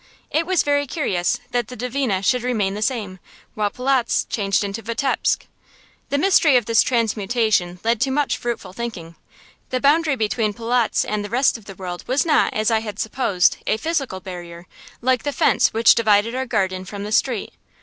It was very curious that the Dvina should remain the same, while Polotzk changed into Vitebsk! The mystery of this transmutation led to much fruitful thinking. The boundary between Polotzk and the rest of the world was not, as I had supposed, a physical barrier, like the fence which divided our garden from the street.